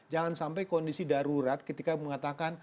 jangan sampai kondisi darurat ketika mengatakan